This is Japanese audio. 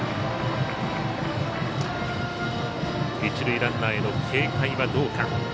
一塁ランナーへの警戒はどうか。